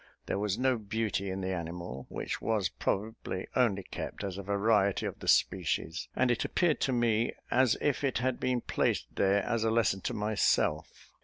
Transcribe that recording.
There was no beauty in the animal, which was probably only kept as a variety of the species; and it appeared to me as if it had been placed there as a lesson to myself.